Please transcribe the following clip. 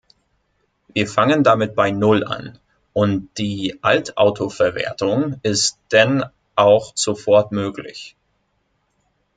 Wir fangen damit bei Null an, und die Altautoverwertung ist denn auch sofort möglich.